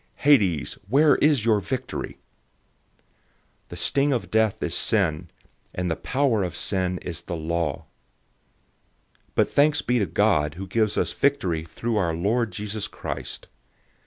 Hades{or, Hell}, where is your victory?"{Hosea 13:14} 015:056 The sting of death is sin, and the power of sin is the law. 015:057 But thanks be to God, who gives us the victory through our Lord Jesus Christ.